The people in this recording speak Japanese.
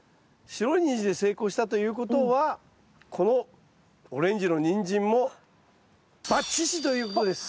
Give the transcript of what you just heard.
白いニンジンで成功したということはこのオレンジのニンジンもバッチシということです！